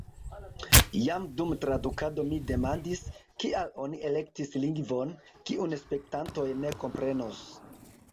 Jam dum tradukado mi demandis, kial oni elektis lingvon, kiun spektantoj ne komprenos.